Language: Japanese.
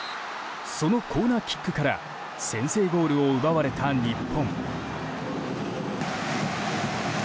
そのコーナーキックから先制ゴールを奪われた日本。